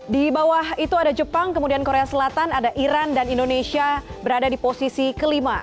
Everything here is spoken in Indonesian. di bawah itu ada jepang kemudian korea selatan ada iran dan indonesia berada di posisi kelima